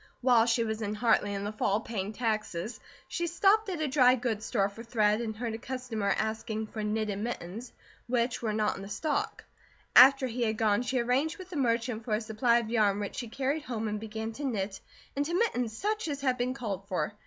While she was in Hartley in the fall paying taxes, she stopped at a dry goods store for thread, and heard a customer asking for knitted mittens, which were not in stock. After he had gone, she arranged with the merchant for a supply of yarn which she carried home and began to knit into mittens such as had been called for.